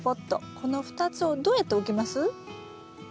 この２つをどうやって置きます？